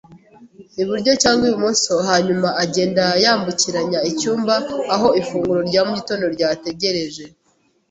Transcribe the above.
iburyo cyangwa ibumoso, hanyuma agenda yambukiranya icyumba aho ifunguro rya mu gitondo ryategereje